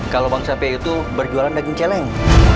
kalau bang safei itu berjualan daging caleng